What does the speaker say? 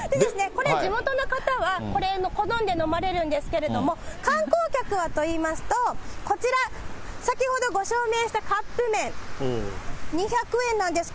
これ地元の方は好んで飲まれるんですけれども、観光客はといいますと、こちら、先ほどご紹介したカップ麺、２００円なんです。